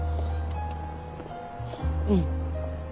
うん。